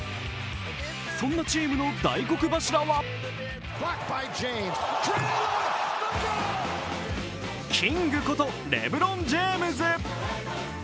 そんなチームの大黒柱はキングことレブロン・ジェームズ。